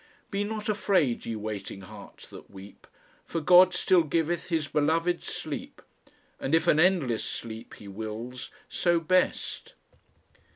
Be not afraid ye waiting hearts that weep, For God still giveth His beloved sleep, And if an endless sleep He wills, so best."